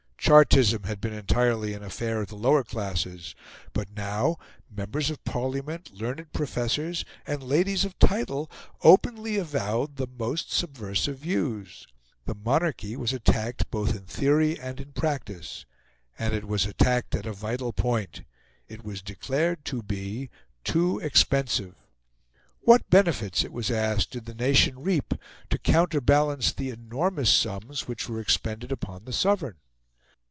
Chartism had been entirely an affair of the lower classes; but now Members of Parliament, learned professors, and ladies of title openly avowed the most subversive views. The monarchy was attacked both in theory and in practice. And it was attacked at a vital point: it was declared to be too expensive. What benefits, it was asked, did the nation reap to counterbalance the enormous sums which were expended upon the Sovereign?